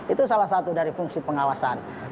itu salah satu dari fungsi pengawasan